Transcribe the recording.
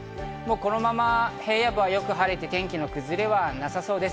このまま平野部はよく晴れて天気の崩れはなさそうです。